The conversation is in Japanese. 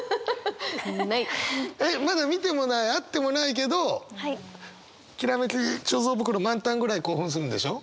えっまだ見てもない会ってもないけどきらめき貯蔵袋満タンぐらい興奮するんでしょ？